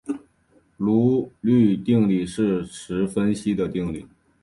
卢津定理是实分析的定理。